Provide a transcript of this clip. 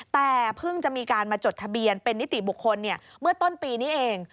แต่เพิ่งจะมีการมาจดทะเบียนเป็นนิติบุคคลเมื่อต้นปีนี้เอง